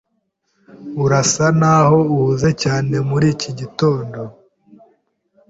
Urasa naho uhuze cyane muri iki gitondo.